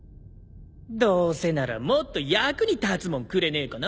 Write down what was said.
どうせならもっと役に立つもんくれねえかな。